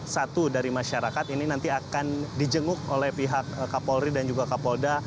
satu dari masyarakat ini nanti akan dijenguk oleh pihak kapolri dan juga kapolda